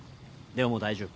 でももう大丈夫。